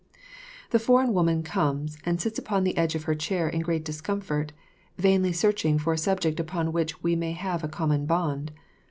The foreign woman comes and sits upon the edge of her chair in great discomfort, vainly searching for a subject upon which we may have a common bond.